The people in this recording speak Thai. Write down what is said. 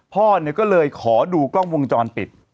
พ่อเนี่ยก็เลยขอดูกล้องวงจรปิด